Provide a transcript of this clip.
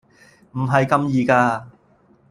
唔係咁易㗎